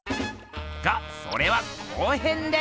がそれは後編で！